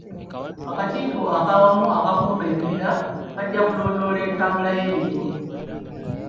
Akakiiko ak'Awamu Akakuuma Ebibira kajja kulondoola entambula y'emirimu.